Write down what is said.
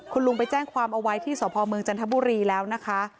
คุณลุงไปแจ้งความเอาไว้ที่สพเมืองจันทบุรีแล้วนะคะ